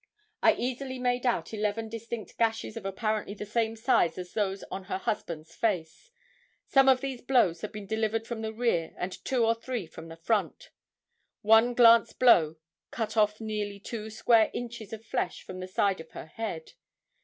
I easily made out eleven distinct gashes of apparently the same size as those on her husband's face. Some of these blows had been delivered from the rear and two or three from the front. One glance blow cut off nearly two square inches of flesh from the side of the head.